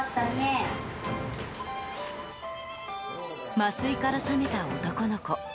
麻酔から覚めた男の子。